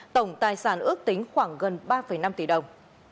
tổng tài sản ước tính khoảng gần ba năm tỷ đồng